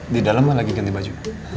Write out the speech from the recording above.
di dalam lah lagi ganti baju